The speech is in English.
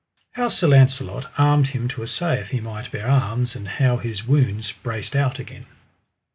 How Sir Launcelot armed him to assay if he might bear arms, and how his wounds brast out again.